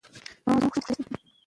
یوازې له خپل ځان سره سیالي وکړئ.